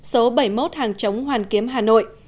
số bảy mươi một hàng chống hoàn kiếm hà nội